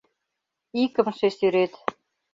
Икымше сӱрет